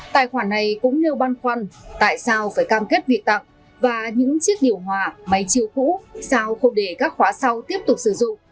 tài khoản này cũng nêu băn khoăn tại sao phải cam kết việc tặng và những chiếc điều hòa máy chiêu cũ sao không để các khóa sau tiếp tục sử dụng